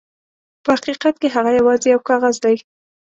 په حقیقت کې هغه یواځې یو کاغذ دی.